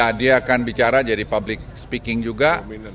nah dia akan bicara jadi public speaking juga